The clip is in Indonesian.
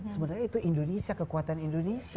sebenarnya itu indonesia kekuatan indonesia